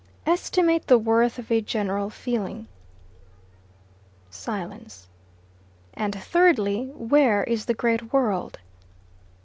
"Estimate the worth of a general feeling." Silence. "And thirdly, where is the great world?"